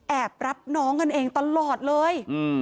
รับน้องกันเองตลอดเลย